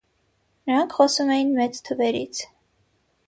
Նրանք խոսում էին մեծ թվերից։